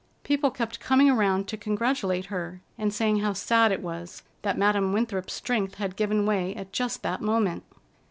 People kept coming around to congratulate her, and saying how sad it was that Madam Winthrop's strength had given way at just that moment.